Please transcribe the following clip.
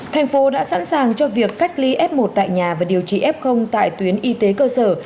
thành phố đã sẵn sàng cho việc cách ly f một tại nhà và điều trị f tại tuyến y tế cơ sở